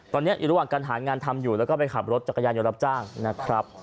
ตอนนี้อยู่ระหว่างการหางานทำอยู่แล้วก็ไปขับรถจักรยานยนต์รับจ้างนะครับ